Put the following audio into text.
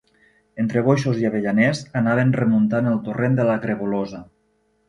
Entre boixos i avellaners, anaven remuntant el torrent de la Grevolosa.